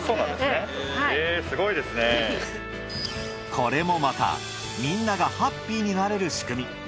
これもまたみんながハッピーになれる仕組み。